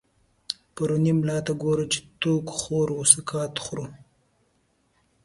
پرو ني ملا ته ګوره، چی ټو ک خور و سقا ط خورو